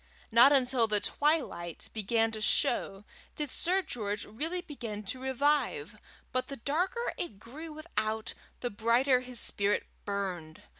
Not until the twilight began to show did Sir George really begin to revive, but the darker it grew without, the brighter his spirit burned.